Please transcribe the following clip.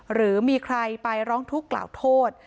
หรือมีใครไปร้องทุกข์กล่าวโทษ